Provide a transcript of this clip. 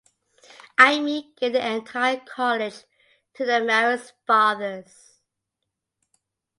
Aime gave the entire college to the Marist Fathers.